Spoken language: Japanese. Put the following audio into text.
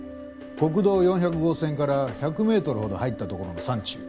国道４００号線から１００メートルほど入ったところの山中。